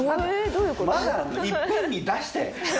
いっぺんに出して。